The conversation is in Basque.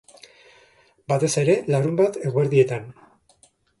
Batez ere, larunbat eguerdietan.